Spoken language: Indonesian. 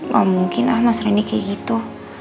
gak mungkin ah mas reni kayak gitu